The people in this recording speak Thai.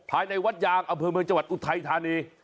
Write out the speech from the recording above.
ภายในวัดยางอำเภอเมืองจังหวัดอุทัยธานี